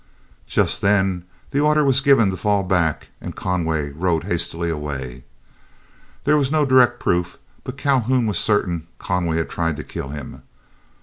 Just then the order was given to fall back, and Conway rode hastily away. There was no direct proof, but Calhoun was certain Conway had tried to kill him.